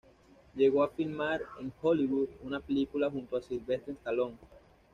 Llegó a filmar en Hollywood una película junto a Silvester Stallone.